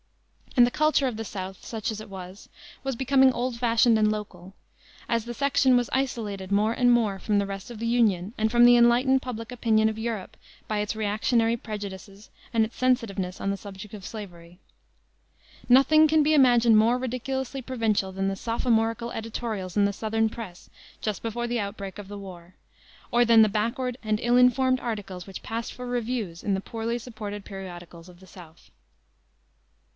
And the culture of the South, such as it was, was becoming old fashioned and local, as the section was isolated more and more from the rest of the Union and from the enlightened public opinion of Europe by its reactionary prejudices and its sensitiveness on the subject of slavery. Nothing can be imagined more ridiculously provincial than the sophomorical editorials in the southern press just before the outbreak of the war, or than the backward and ill informed articles which passed for reviews in the poorly supported periodicals of the South.